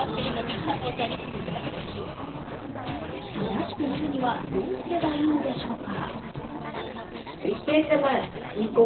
正しく塗るにはどうすればいいのでしょうか。